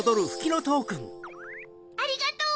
ありがとう！